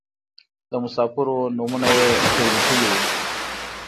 د مسافرو نومونه یې پرې لیکلي وو.